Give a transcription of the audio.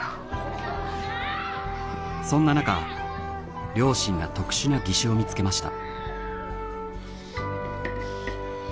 そんななか両親が特殊な義手を見つけました。